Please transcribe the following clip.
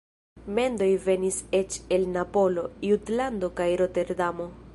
Mendoj venis eĉ el Napolo, Jutlando kaj Roterdamo.